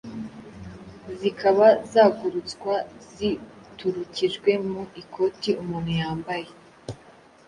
Zikaba zagurutswa ziturukijwe mu ikoti umuntu yambaye